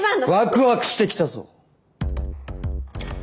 ワクワクしてきたぞ！